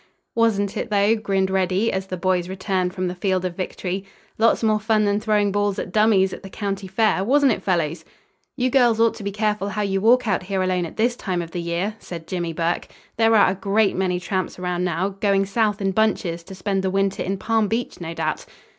"Wasn't it though?" grinned Reddy, as the boys returned from the field of victory. "Lots more fun than throwing balls at dummies at the county fair, wasn't it, fellows?" "You girls ought to be careful how you walk out here alone at this time of the year," said Jimmie Burke. "There are a great many tramps around now, going south in bunches to spend the winter in Palm Beach, no doubt."